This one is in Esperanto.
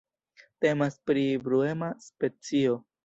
Temas pri bruema specio.